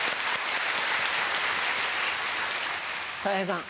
たい平さん。